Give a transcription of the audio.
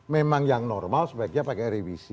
memang yang normal sebaiknya pakai revisi